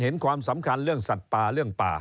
ความสำคัญเรื่องสัตว์ป่าเรื่องป่า